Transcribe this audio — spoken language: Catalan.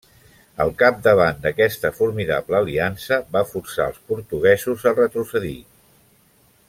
Al capdavant d'aquesta formidable aliança, va forçar els portuguesos a retrocedir.